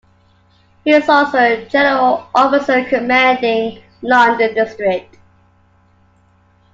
He is also General Officer Commanding London District.